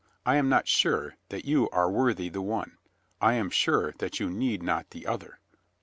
I am not sure that you are worthy the one. I am sure that you need not the other."